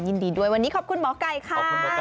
ยินดีด้วยวันนี้ขอบคุณหมอไก่ค่ะ